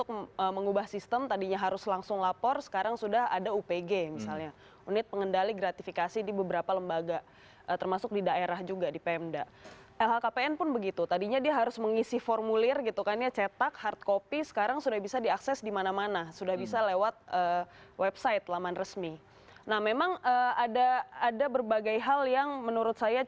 kurang maksimal gitu ya